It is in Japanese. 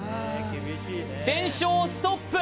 連勝ストップ！